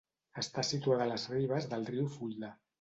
Està situada a les ribes del riu Fulda.